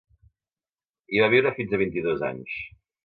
Hi va viure fins a vint-i-dos anys.